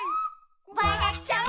「わらっちゃう」